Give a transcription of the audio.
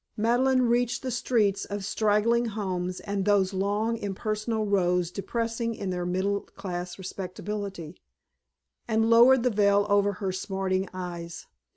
Madeleine reached the streets of straggling homes and those long impersonal rows depressing in their middle class respectability, and lowered the veil over her smarting eyes.